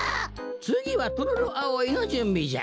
つぎはトロロアオイのじゅんびじゃ。